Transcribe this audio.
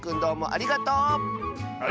ありがとう！